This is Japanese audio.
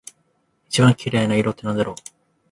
一番綺麗な色ってなんだろう？